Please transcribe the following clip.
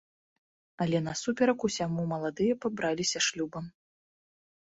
Але насуперак усяму маладыя пабраліся шлюбам.